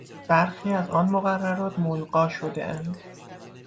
برخی از آن مقررات ملغی شدهاند.